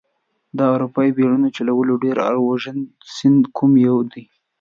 د اروپا د بیړیو چلولو ډېر اوږد سیند کوم یو دي؟